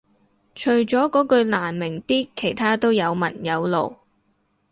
除咗嗰句難明啲其他都有文有路